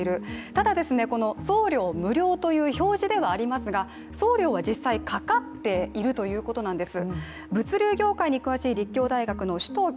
ただ、この送料無料という表示ではありますが送料は実際かかっているということなんです。